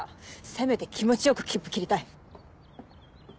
せめて気持ち良く切符切りたい。